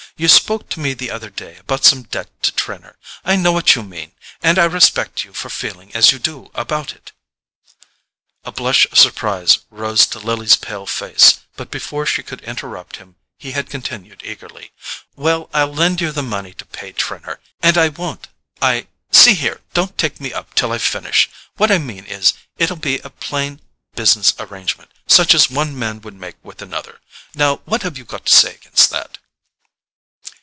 You spoke to me the other day about some debt to Trenor. I know what you mean—and I respect you for feeling as you do about it." A blush of surprise rose to Lily's pale face, but before she could interrupt him he had continued eagerly: "Well, I'll lend you the money to pay Trenor; and I won't—I—see here, don't take me up till I've finished. What I mean is, it'll be a plain business arrangement, such as one man would make with another. Now, what have you got to say against that?"